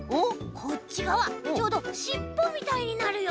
こっちがわちょうどしっぽみたいになるよ！